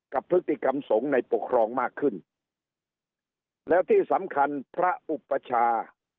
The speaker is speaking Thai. กับพฤติกรรมสงฆ์ในปกครองมากขึ้นแล้วที่สำคัญพระอุปชา